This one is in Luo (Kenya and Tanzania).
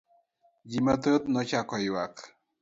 Ji mathoth nochako ywak….